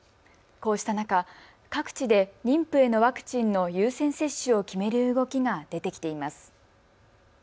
こうした中、各地で妊婦へのワクチンの優先接種を決める動きが出てきています。